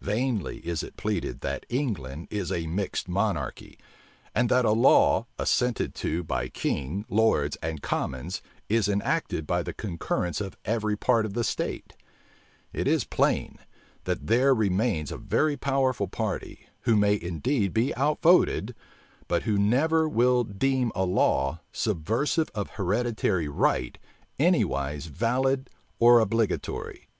Vainly is it pleaded that England is a mixed monarchy; and that a law, assented to by king, lords, and commons, is enacted by the concurrence of every part of the state: it is plain, that there remains a very powerful party, who may indeed be outvoted, but who never will deem a law, subversive of hereditary right, anywise valid or obligatory.